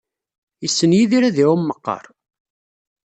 Yessen Yidir ad iɛum meqqar?